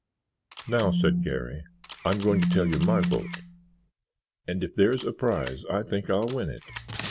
"Now," said Garry, "I'm going to tell you my vote. And if there's a prize, I think I'll win it.